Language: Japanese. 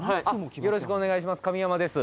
よろしくお願いします神山です